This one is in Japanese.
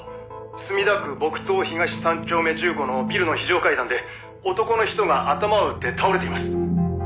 「墨田区墨東東３丁目１５のビルの非常階段で男の人が頭を打って倒れています」